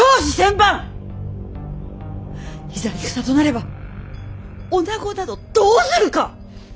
いざ戦となれば女などどうするか！